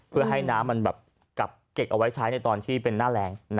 เพื่อให้น้ำมันกลับเก็บเอาไว้ใช้ในตอนที่เป็นหน้าแรง